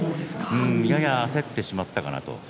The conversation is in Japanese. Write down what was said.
やや焦ってしまったかなと。